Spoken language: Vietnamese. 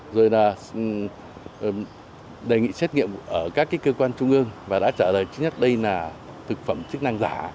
rồi là đề nghị xét nghiệm ở các cơ quan trung ương và đã trả lời trước nhất đây là thực phẩm chức năng giả